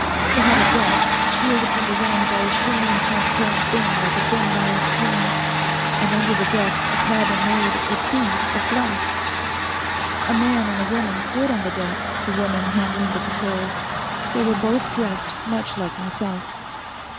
It had a deck, shielded from the wind by a shimmering transparent thing like a thin wire screen, and under the deck a cabin made, it seemed, of glass. A man and a woman stood on the deck, the woman handling the controls. They were both dressed much like myself.